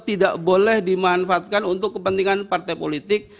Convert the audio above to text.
tidak boleh dimanfaatkan untuk kepentingan partai politik